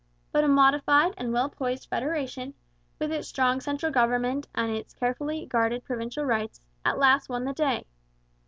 But a modified and well poised federation, with its strong central government and its carefully guarded provincial rights, at last won the day.